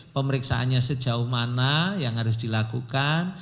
pemeriksaannya sejauh mana yang harus dilakukan